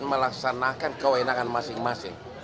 melaksanakan kewenangan masing masing